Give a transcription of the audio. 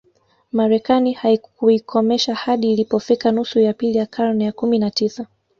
Marekani haikuikomesha hadi ilipofika nusu ya pili ya karne ya kumi na tisa